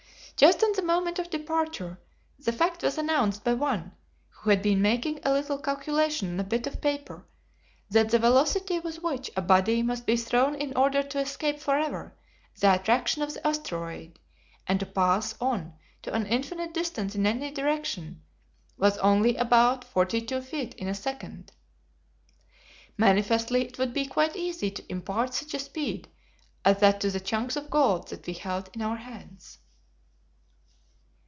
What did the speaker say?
Just on the moment of departure, the fact was announced by one, who had been making a little calculation on a bit of paper, that the velocity with which a body must be thrown in order to escape forever the attraction of the asteroid, and to pass on to an infinite distance in any direction, was only about forty two feet in a second. Manifestly it would be quite easy to impart such a speed as that to the chunks of gold that we held in our hands.